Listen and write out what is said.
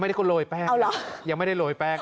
ไม่ได้คนโรยแป้งยังไม่ได้โรยแป้ง